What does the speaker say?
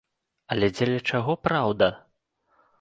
Але дзеля чаго праўда?